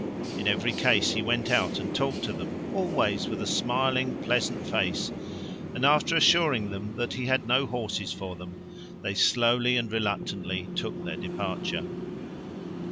In every case he went out and talked to them, always with a smiling, pleasant face, and after assuring them that he had no horses for them they slowly and reluctantly took their departure.